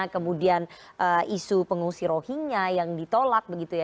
kemudian isu pengungsi rohingya yang ditolak begitu ya